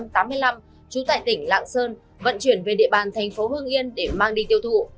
trú tại tỉnh lạng sơn vận chuyển về địa bàn thành phố hương yên để mang đi tiêu thụ